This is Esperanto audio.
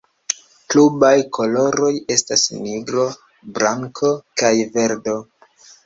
Klubaj koloroj estas nigro, blanko kaj verdo.